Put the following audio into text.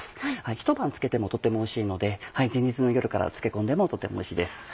一晩漬けてもとてもおいしいので前日の夜から漬け込んでもとてもおいしいです。